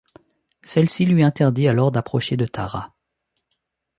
Celle-ci lui interdit alors d'approcher de Tara...